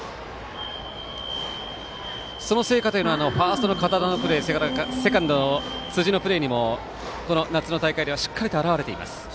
その成果はファーストの堅田のプレーセカンドの辻のプレーにもこの夏の大会ではしっかりと表れています。